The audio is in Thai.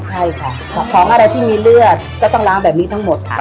ใช่ค่ะของอะไรที่มีเลือดก็ต้องล้างแบบนี้ทั้งหมดค่ะ